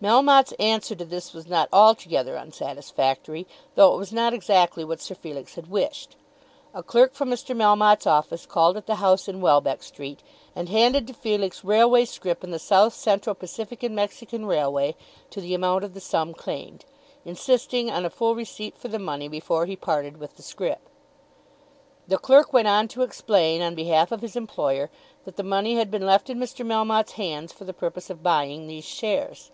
Melmotte's answer to this was not altogether unsatisfactory, though it was not exactly what Sir Felix had wished. A clerk from Mr. Melmotte's office called at the house in Welbeck Street, and handed to Felix railway scrip in the South Central Pacific and Mexican Railway to the amount of the sum claimed, insisting on a full receipt for the money before he parted with the scrip. The clerk went on to explain, on behalf of his employer, that the money had been left in Mr. Melmotte's hands for the purpose of buying these shares.